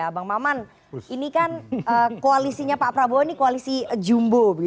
bang maman ini kan koalisinya pak prabowo ini koalisi jumbo